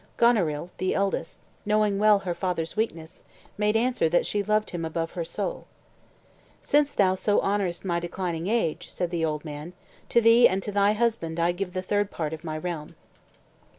Goneril, the eldest, knowing well her father's weakness, made answer that she loved him "above her soul." "Since thou so honorest my declining age," said the old man, "to thee and to thy husband I give the third part of my realm."